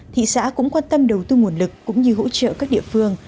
thị xã cũng quan tâm đầu tư nguồn lực cũng như hỗ trợ các địa phương